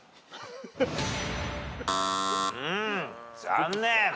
残念！